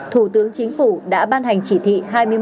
thủ tướng chính phủ đã ban hành chỉ thị hai mươi một